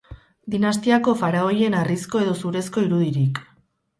Dinastiako faraoien harrizko edo zurezko irudirik.